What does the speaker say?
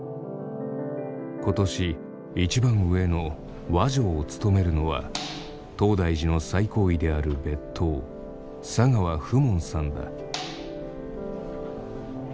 今年一番上の和上を務めるのは東大寺の最高位である別当狹川普文さんだ。